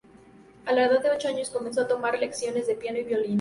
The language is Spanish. A la edad de ocho años comenzó a tomar lecciones de piano y violín.